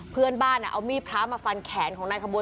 เพื่อนบ้านเอามีดพระมาฟันแขนของนายขบวน